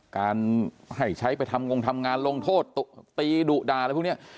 การให้ใช้ไปทำงงทำงานลงโทษตีดุด่าอะไรพวกนี้